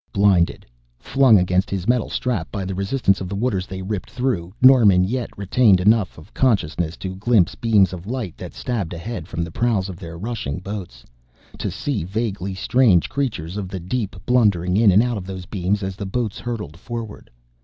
Blinded, flung against his metal strap by the resistance of the waters they ripped through, Norman yet retained enough of consciousness to glimpse beams of light that stabbed ahead from the prows of their rushing boats, to see vaguely strange creatures of the deep blundering in and out of those beams as the boats hurtled forward.